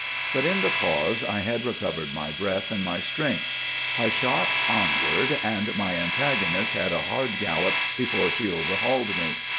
But in the pause I had recovered my breath and my strength. I shot onward, and my antagonist had a hard gallop before she overhauled me.